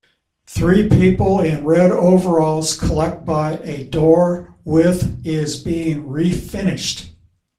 Three people in red overalls collect by a door with is being refinished